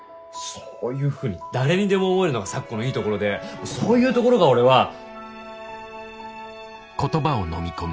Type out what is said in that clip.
そういうふうに誰にでも思えるのが咲子のいいところでそういうところが俺は。